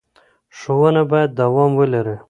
ښوونه باید دوام ولري.